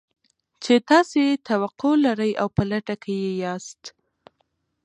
چې تاسې يې توقع لرئ او په لټه کې يې ياست.